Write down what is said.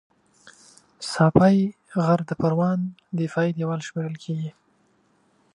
ساپی غر د پروان دفاعي دېوال شمېرل کېږي